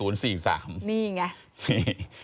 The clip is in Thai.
นี้ไง